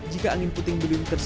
jika angin puting beliung